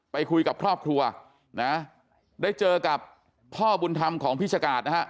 ไปคุยกับครอบครัวนะได้เจอกับพ่อบุญธรรมของพี่ชกาศนะฮะ